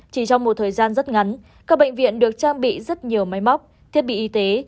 chỉ trong một thời gian rất ngắn các bệnh viện được trang bị rất nhiều máy móc thiết bị y tế